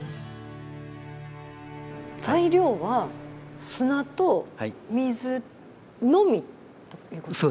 材料は砂と水のみということですか？